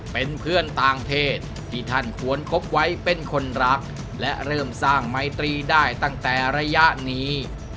เป็นเพื่อนต่างเพศที่ท่านควรคบไว้เป็นคนรักและเริ่มสร้างไมตรีได้ตั้งแต่ระยะนี้